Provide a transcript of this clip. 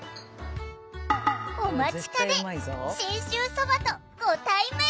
お待ちかね信州そばとご対面！